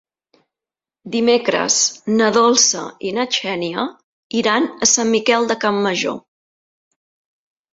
Dimecres na Dolça i na Xènia iran a Sant Miquel de Campmajor.